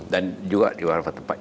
dan juga di warfa tempat